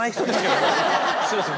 すいません